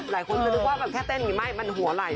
หลายคนจะรู้ว่าแค่เต้นอย่างงี้มันหัวไหล่